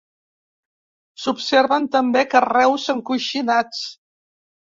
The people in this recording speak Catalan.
S'observen també carreus encoixinats.